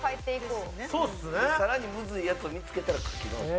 さらにむずいやつを見つけたら書き直して。